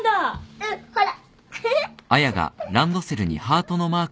うんほら。